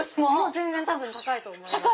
全然多分高いと思います。